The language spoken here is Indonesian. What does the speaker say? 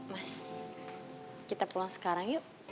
mas kita pulang sekarang yuk